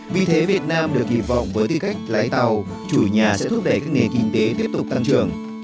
vì thế việt nam được kỳ vọng với tư cách lái tàu chủ nhà sẽ thúc đẩy các nền kinh tế tiếp tục tăng trưởng